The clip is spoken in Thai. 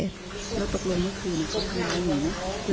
แล้วตัวตัวนี้คือคุณก็คุณร้ายหรือ